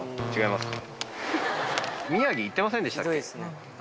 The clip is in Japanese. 違いますね。